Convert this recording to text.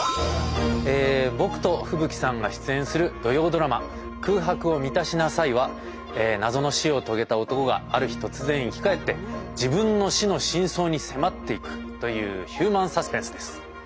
僕と風吹さんが出演する土曜ドラマ「空白を満たしなさい」は謎の死を遂げた男がある日突然生き返って自分の死の真相に迫っていくというヒューマン・サスペンスです。